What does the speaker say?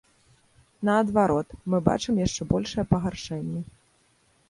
Наадварот, мы бачым яшчэ большае пагаршэнне.